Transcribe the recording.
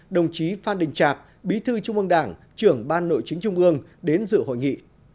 đồng chí phan đình trạc bí thư trung ương đảng trưởng ban nội chính trung ương đến dự hội nghị